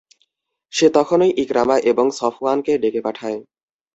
সে তখনই ইকরামা এবং সফওয়ানকে ডেকে পাঠায়।